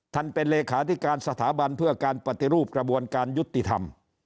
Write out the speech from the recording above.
เป็นเลขาธิการสถาบันเพื่อการปฏิรูปกระบวนการยุติธรรม